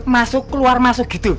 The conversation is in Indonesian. masuk keluar masuk gitu